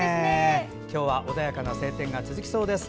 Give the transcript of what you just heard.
穏やかな晴天が続きそうです。